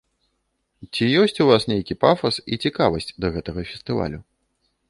Ці ёсць у вас нейкі пафас і цікавасць да гэтага фестывалю?